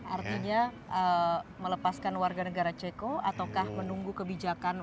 artinya melepaskan warga negara ceko ataukah menunggu kebijakan